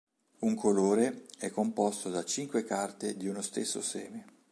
Un colore è composto da cinque carte di uno stesso seme.